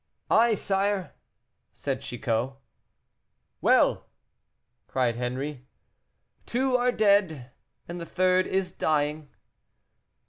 "I, sire," said Chicot. "Well!" cried Henri. "Two are dead, and the third is dying."